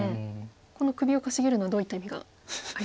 この首をかしげるのはどういった意味がありますか。